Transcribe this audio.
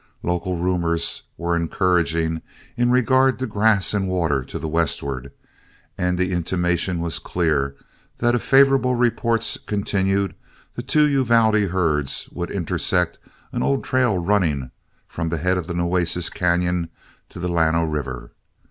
Local rumors were encouraging in regard to grass and water to the westward, and the intimation was clear that if favorable reports continued, the two Uvalde herds would intersect an old trail running from the head of Nueces Canon to the Llano River.